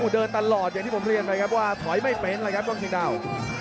เดินตลอดอย่างที่ผมเคลียรไว้ถอยไม่เฟ้นครับก้องเชียงดาว